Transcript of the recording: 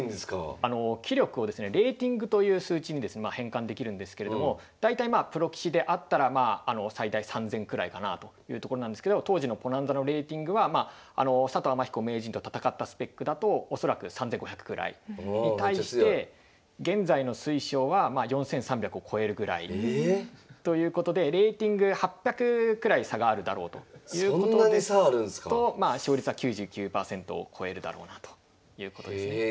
あの棋力をですねレーティングという数値に変換できるんですけれども大体まあプロ棋士であったら最大３０００くらいかなあというところなんですけど当時のｐｏｎａｎｚａのレーティングは佐藤天彦名人と戦ったスペックだと恐らく３５００ぐらいに対して現在の水匠は４３００を超えるぐらいということでレーティング８００くらい差があるだろうということですと勝率は９９％を超えるだろうなということですね。